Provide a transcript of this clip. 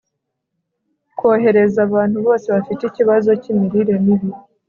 kohereza abantu bose bafite ikibazo cy'imirire mibi